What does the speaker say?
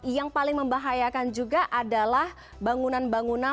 yang paling membahayakan juga adalah bangunan bangunan